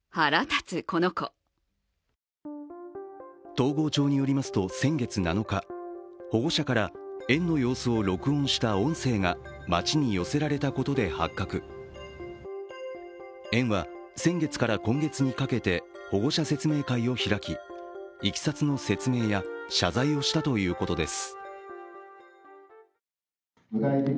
東郷町によりますと先月７日保護者から園の様子を録音した音声が町に寄せられたことで発覚、園は先月から今月にかけて、保護者説明会を開き、いきさつの説明や謝罪をしたということです。